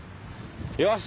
よし！